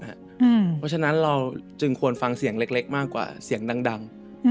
เพราะฉะนั้นเราจึงควรฟังเสียงเล็กมากกว่าเสียงดัง